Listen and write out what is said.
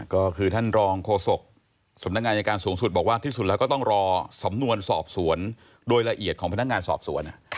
ก็คือท่านรองโฆษกสำนักงานอายการสูงสุดบอกว่าที่สุดแล้วก็ต้องรอสำนวนสอบสวนโดยละเอียดของพนักงานสอบสวน